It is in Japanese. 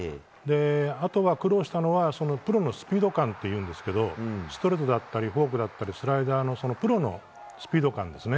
あとは苦労したのはプロのスピード感ですがストレート、フォークスライダーのプロのスピード感ですね。